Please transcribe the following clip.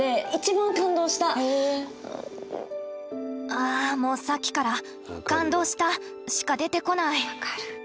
あもうさっきから「感動した」しか出てこない！